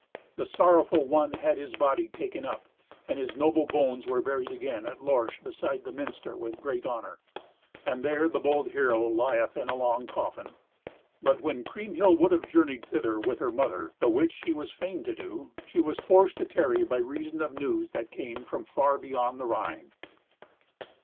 The sorrowful one had his body taken up, and his noble bones were buried again at Lorsch beside the minster with great honour; and there the bold hero lieth in a long coffin. But when Kriemhild would have journeyed thither with her mother, the which she was fain to do, she was forced to tarry, by reason of news that came from far beyond the Rhine.